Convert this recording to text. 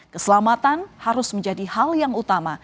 keselamatan harus menjadi hal yang utama